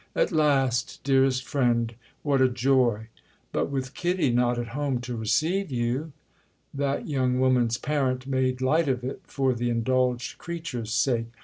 "At last, dearest friend—what a joy! But with Kitty not at home to receive you?" That young woman's parent made light of it for the indulged creature's sake.